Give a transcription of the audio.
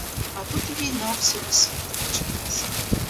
А тут і війна всього світу почалася.